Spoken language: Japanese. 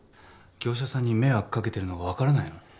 業者さんに迷惑かけてるのがわからないの？